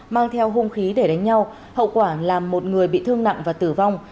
mang theo hung khí để đánh nhau hậu quả làm một người bị thương nặng và tử vong